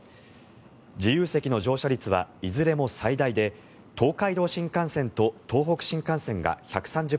自由席の乗車率はいずれも最大で東海道新幹線と東北新幹線が１３０％